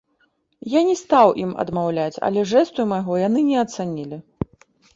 Я не стаў ім адмаўляць, але жэсту майго яны не ацанілі.